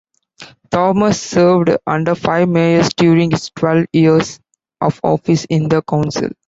Thomas served under five mayors during his twelve years of office in the council.